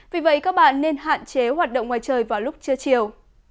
vì vậy các bạn nên hạn chế hoạt động ngoài trời vào lúc trưa chiều